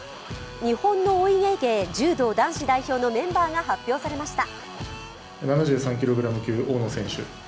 日本のお家芸、柔道男子代表のメンバーが発表されました。